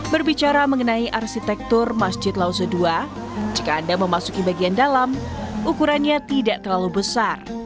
berbicara mengenai arsitektur masjid lause dua jika anda memasuki bagian dalam ukurannya tidak terlalu besar